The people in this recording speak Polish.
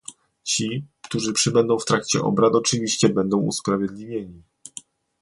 ci, którzy przybędą w trakcie obrad oczywiście będą usprawiedliwieni